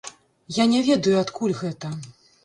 Я не ведаю, адкуль гэта.